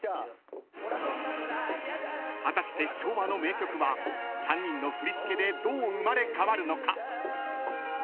［果たして昭和の名曲は３人の振り付けでどう生まれ変わるのか？］